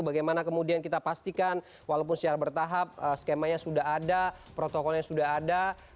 bagaimana kemudian kita pastikan walaupun secara bertahap skemanya sudah ada protokolnya sudah ada